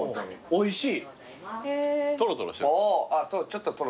おいしい。